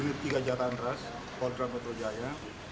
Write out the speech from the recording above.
kami diberi tiga jatahan ras poldra metro jaya